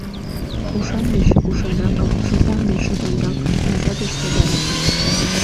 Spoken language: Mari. Ушан деч ушанракым, шотан деч шотанракым, таза деч тазаракым.